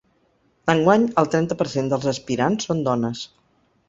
Enguany el trenta per cent dels aspirants són dones.